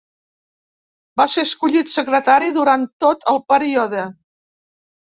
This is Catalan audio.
Va ser escollit secretari durant tot el període.